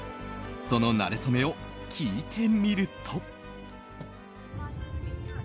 そのなれそめを聞いてみると。